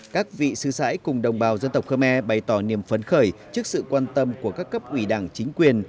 các vị sư sãi cùng đồng bào dân tộc khơ me bày tỏ niềm phấn khởi trước sự quan tâm của các cấp ủy đảng chính quyền